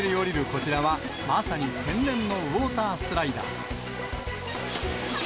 こちらは、まさに天然のウォータースライダー。